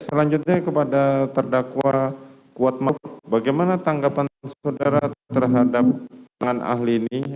selanjutnya kepada terdakwa kuatma bagaimana tanggapan saudara terhadap tangan ahli ini